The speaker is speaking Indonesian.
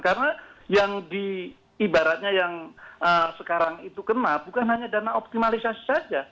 karena yang di ibaratnya yang sekarang itu kena bukan hanya dana optimalisasi saja